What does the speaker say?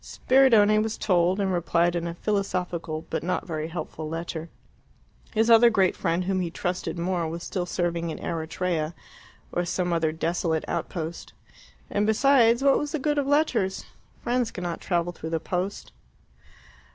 Spiridione was told, and replied in a philosophical but not very helpful letter. His other great friend, whom he trusted more, was still serving in Eritrea or some other desolate outpost. And, besides, what was the good of letters? Friends cannot travel through the post.